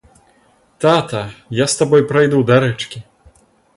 Тата, я з табой прайду да рэчкі.